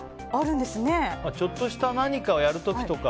ちょっとした何かをやる時とか